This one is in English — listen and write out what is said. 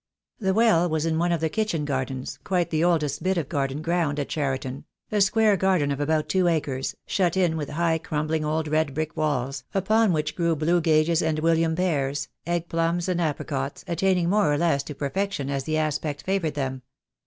The well was in one of the kitchen gardens, quite the oldest bit of garden ground at Cheriton, a square garden of about two acres, shut in with high crumbling old red brick walls, upon which grew blue gages and William pears, egg plums and apricots, attaining more or less to perfection as the aspect favoured them.